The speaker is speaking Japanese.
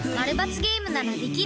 ゲームならできる？